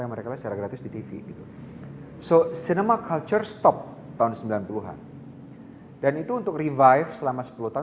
yang mereka secara gratis di tv gitu so cinema culture stop tahun sembilan puluh an dan itu untuk revive selama sepuluh tahun